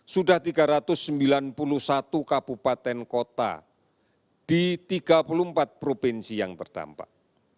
sudah tiga ratus sembilan puluh satu kabupaten kota di tiga puluh empat provinsi yang terdampak